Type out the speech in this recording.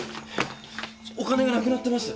お金がなくなってます！